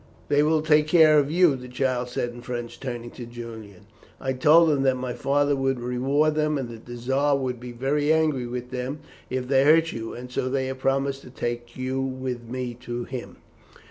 "They will take care of you," the child said in French, turning to Julian. "I told them that my father would reward them, and that the Czar would be very angry with them if they hurt you; and so they have promised to take you with me to him."